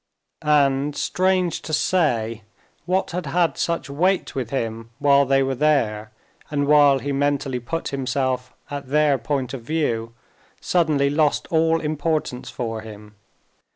And, strange to say, what had had such weight with him, while they were there and while he mentally put himself at their point of view, suddenly lost all importance for him.